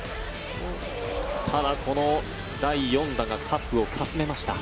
ただ、この第４打がカップをかすめました。